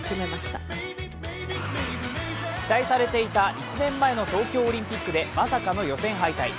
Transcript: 期待されていた１年前の東京オリンピックでまさかの予選敗退。